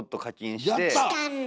やった⁉したんだ。